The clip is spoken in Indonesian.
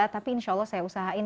tapi insya allah saya usahain